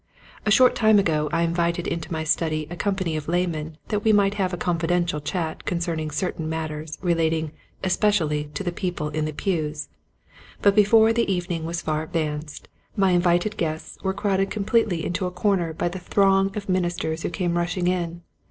A short time ago I invited into my study a company of laymen that we might have a confidential chat concerning certain matters relating especially to the people in the pews, but before the evening was far advanced my invited guests were crowded completely 2 Quiet Hints to Growing Preachers. into a corner by the throng of ministers who came rushing in.